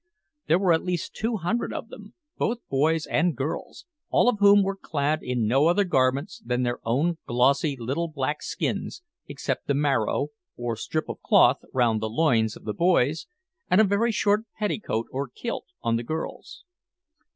There were at least two hundred of them, both boys and girls, all of whom were clad in no other garments than their own glossy little black skins, except the maro, or strip of cloth, round the loins of the boys, and a very short petticoat or kilt on the girls.